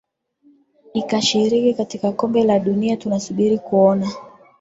ikashiriki katika kombe la dunia tunasubiri kuona